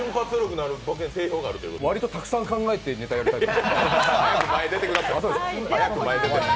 割とたくさん考えてネタやるタイプ。